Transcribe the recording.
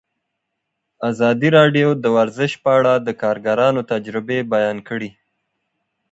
ازادي راډیو د ورزش په اړه د کارګرانو تجربې بیان کړي.